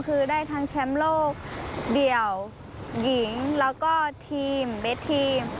คือได้ทั้งแชมป์โลกเดี่ยวหญิงแล้วก็ทีมเบสทีม